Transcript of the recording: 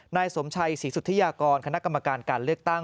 นายสมชัยศรีสุธิยากรคณะกรรมการการเลือกตั้ง